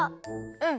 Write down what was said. うん。